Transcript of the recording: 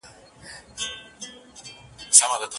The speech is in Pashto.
پردۍ جګړې دي د پردیو په جېبو جوړیږي